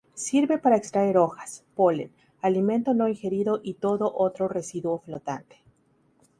Sirve para extraer hojas, polen, alimento no ingerido y todo otro residuo flotante.